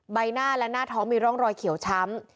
ใบหน้าและหน้าท้องมีร่องรอยเขียวช้ำ